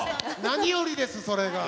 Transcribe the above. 何よりですそれが。